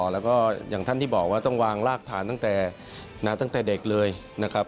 แล้วก็อย่างท่านที่บอกว่าต้องวางรากฐานตั้งแต่ตั้งแต่เด็กเลยนะครับ